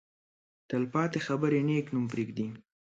تل پاتې خبرې نېک نوم پرېږدي.